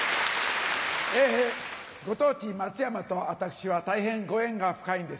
ご当地松山と私は大変ご縁が深いんですね。